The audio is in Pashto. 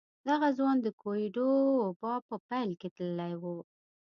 دغه ځوان د کوويډ وبا په پيل کې تللی و.